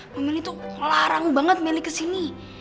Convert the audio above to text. mama meli itu larang banget meli kesini